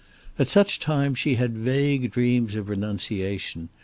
At such times she had vague dreams of renunciation.